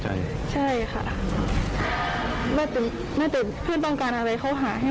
ใช่ใช่ค่ะน่าจะเพื่อนต้องการอะไรเขาหาให้